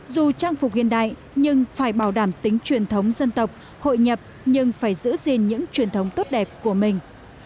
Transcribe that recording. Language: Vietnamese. dù trang phục hiện đại nhưng phải bảo đảm tính truyền thống dân tộc hội nhập nhưng phải giữ gìn những truyền thống tốt đẹp của mình